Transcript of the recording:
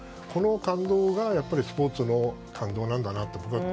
この感動がスポーツの感動なんだなって。